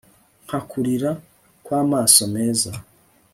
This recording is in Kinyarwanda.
Nka kurira kwamaso meza